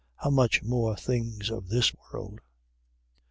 How much more things of this world?